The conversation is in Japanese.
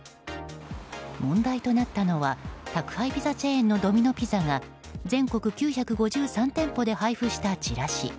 問題となったのは宅配ピザチェーンのドミノ・ピザが全国９５３店舗で配布したチラシ。